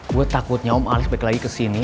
gue takutnya om alis balik lagi kesini